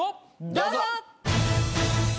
どうぞ！